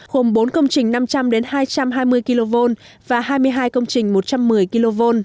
gồm bốn công trình năm trăm linh hai trăm hai mươi kv và hai mươi hai công trình một trăm một mươi kv